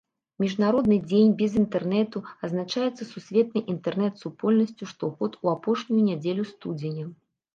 Міжнародны дзень без інтэрнэту адзначаецца сусветнай інтэрнэт-супольнасцю штогод у апошнюю нядзелю студзеня.